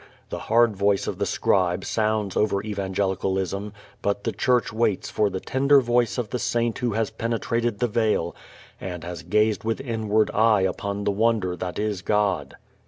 The hard voice of the scribe sounds over evangelicalism, but the Church waits for the tender voice of the saint who has penetrated the veil and has gazed with inward eye upon the Wonder that is God.